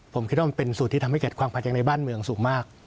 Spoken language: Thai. ผมคิดว่ามันเป็นสูตรที่ทำให้เกิดความขัดแย้งในบ้านเมืองสูงมาก